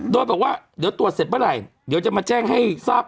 โดยบอกว่าเดี๋ยวตรวจเสร็จเมื่อไหร่เดี๋ยวจะมาแจ้งให้ทราบ